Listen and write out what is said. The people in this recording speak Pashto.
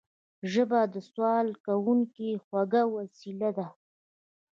ژبه د سوال کوونکي خوږه وسيله ده